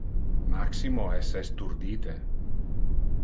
Maximo es esturdite.